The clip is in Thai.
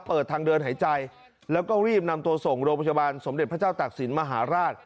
ทางเดินหายใจแล้วก็รีบนำตัวส่งโรงพยาบาลสมเด็จพระเจ้าตักศิลป์มหาราช